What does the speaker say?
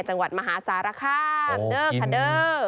จังหวัดมหาสารคามเดอร์คาเดอร์